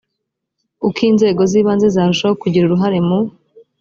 uko inzego z ibanze zarushaho kugira uruhare mu